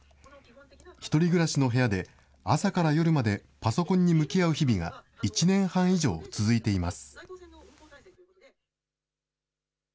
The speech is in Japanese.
１人暮らしの部屋で、朝から夜までパソコンに向き合う日々が１年半以上続いています。